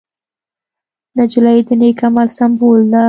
نجلۍ د نېک عمل سمبول ده.